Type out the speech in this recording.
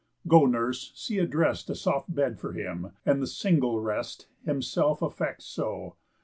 Go, nurse, see addrest A soft bed for him, and the single rest Himself affects so.